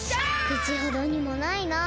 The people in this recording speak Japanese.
くちほどにもないなあ。